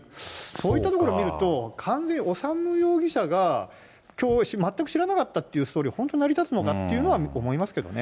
そういったところを見ると、完全に修容疑者が全く知らなかったというストーリーって、本当に成り立つのかって思いますけどね。